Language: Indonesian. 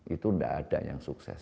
itu tidak ada yang sukses